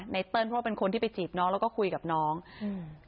เติ้ลเพราะว่าเป็นคนที่ไปจีบน้องแล้วก็คุยกับน้องอืม